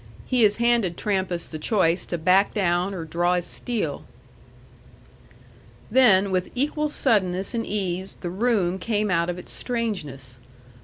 He has handed Trampas the choice to back down or draw his steel." Then, with equal suddenness and ease, the room came out of its strangeness.